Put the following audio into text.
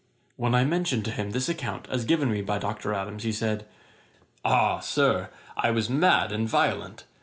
When I mentioned to him this account as given me by Dr. Adams, he said, 'Ah, Sir, I was mad and violent.